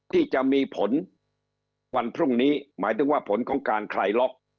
ที่จะมีผลวันพรุ่งนี้หมายถึงว่าผลของการคลายล็อก